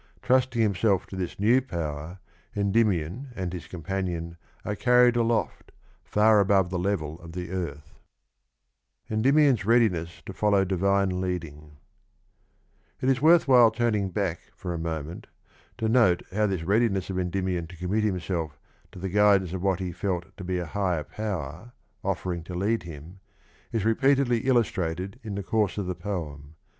Trusting himself to this new power Endymion and his companion are carried aloft, far above the level of the earth. Endi mionH It is worth whilc turning: back for a moment to note re; i'l:iips to " fcaiin?!'^'"'' how this rcadmcss of Endymion to commit himself to the guidance of what he felt to be a higher power, offering to lead him, is repeatedly illustrated in the course of the poem.